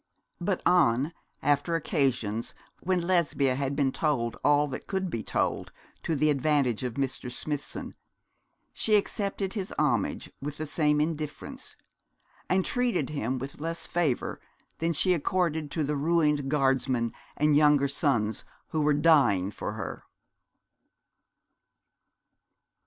But on after occasions when Lesbia had been told all that could be told to the advantage of Mr. Smithson, she accepted his homage with the same indifference, and treated him with less favour than she accorded to the ruined guardsmen and younger sons who were dying for her.